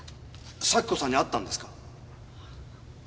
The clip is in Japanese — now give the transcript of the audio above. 咲子さんに会ったんですか？